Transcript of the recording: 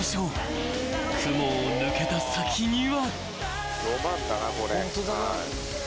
［雲を抜けた先には］